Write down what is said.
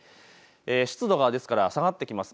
湿度は下がってきます。